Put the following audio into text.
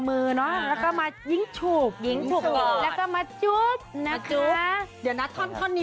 พี่เพชจอ่อกันไหมเราลองวิ่งจุบดู